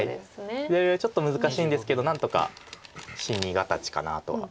左上はちょっと難しいんですけど何とか死形かなとは。